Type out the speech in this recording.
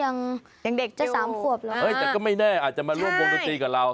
ยังเด็กเจ้า๓ขวบแล้วนะแต่ก็ไม่แน่อาจจะมาร่วมวงดนตรีกับเรา